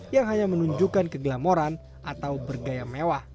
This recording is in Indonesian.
yang hanya menunjukkan keglamoran atau bergaya mewah